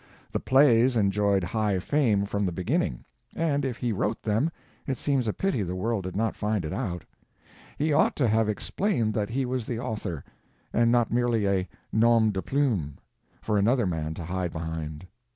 The Plays enjoyed high fame from the beginning; and if he wrote them it seems a pity the world did not find it out. He ought to have explained that he was the author, and not merely a nom de plume for another man to hide behind.